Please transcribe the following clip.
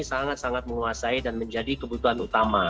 sangat sangat menguasai dan menjadi kebutuhan utama